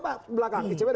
atau huruf d